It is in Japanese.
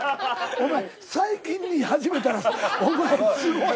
最近に始めたらお前すごい。